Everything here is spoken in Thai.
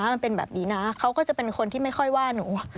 มันเป็นแบบนี้นะเขาก็จะเป็นคนที่ไม่ค่อยว่าหนู